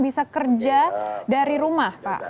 bisa kerja dari rumah pak